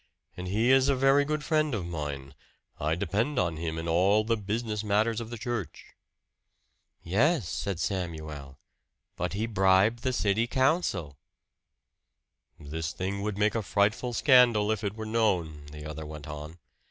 And he is a very good friend of mine I depend on him in all the business matters of the church. "Yes," said Samuel. "But he bribed the city council." "This thing would make a frightful scandal if it were known," the other went on.